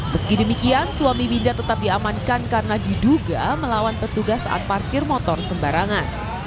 meski demikian suami binda tetap diamankan karena diduga melawan petugas saat parkir motor sembarangan